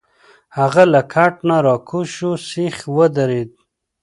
هغه له کټ نه راکوز شو، سیخ ودرید.